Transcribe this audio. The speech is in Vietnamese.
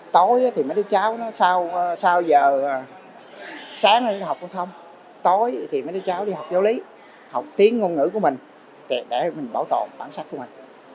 tối thì mấy đứa cháu đi học giáo lý học tiếng ngôn ngữ của mình để bảo tồn bản sắc của mình